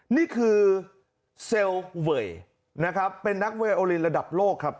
นี่คือเซลล์เวยนะครับเป็นนักเวยโอลินระดับโลกครับ